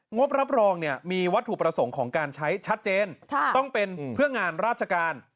บรับรองเนี่ยมีวัตถุประสงค์ของการใช้ชัดเจนต้องเป็นเพื่องานราชการ